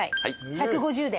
１５０で。